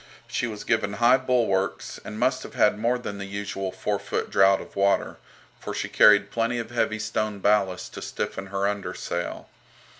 She was given high bulwarks, and must have had more than the usual four foot draught of water, for she carried plenty of heavy stone ballast to stiffen her under sail.